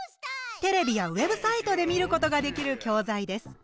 テレビやウェブサイトで見ることができる教材です。